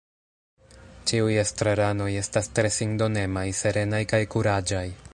Ĉiuj estraranoj estas tre sindonemaj, serenaj kaj kuraĝaj.